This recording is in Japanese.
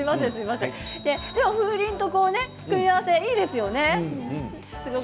風鈴との組み合わせいいですよね。